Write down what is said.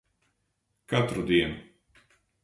Katru dienu.